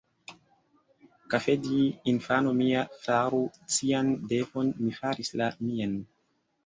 Kafedji, infano mia, faru cian devon: mi faris la mian.